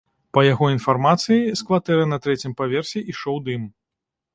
Па яго інфармацыі, з кватэры на трэцім паверсе ішоў дым.